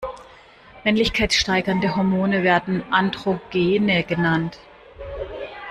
Männlichkeitssteigernde Hormone werden Androgene genannt.